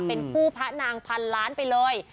เป็นคู่พระนางพันล้านไปเลย